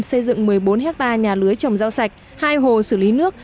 xây dựng một mươi bốn hectare nhà lưới trồng rau sạch hai hồ xử lý nước